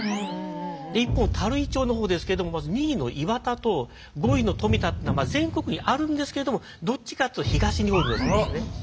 一方垂井町の方ですけどまず２位の岩田と５位の富田っていうのは全国にあるんですけれどもどっちかっていうと東に多い名字ですね。